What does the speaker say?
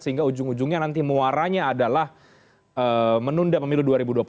sehingga ujung ujungnya nanti muaranya adalah menunda pemilu dua ribu dua puluh empat